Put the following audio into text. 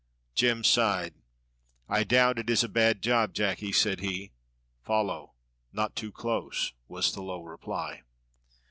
Jem sighed. "I doubt it is a bad job, Jacky," said he. "Follow not too close," was the low reply.